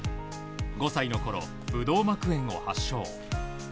５歳のころ、ぶどう膜炎を発症。